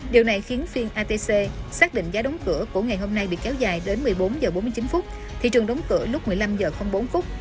điều này khiến phiên atc xác định giá đóng cửa của ngày hôm nay bị kéo dài đến một mươi bốn h bốn mươi chín phút thị trường đóng cửa lúc một mươi năm h bốn